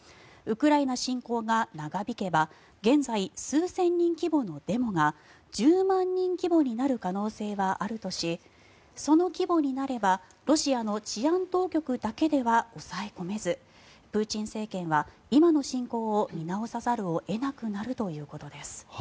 ウクライナ侵攻が長引けば現在、数千人規模のデモが１０万人規模になる可能性はあるとしその規模になればロシアの治安当局だけでは抑え込めずプーチン政権は今の侵攻を見直さざるを得なくなるということです。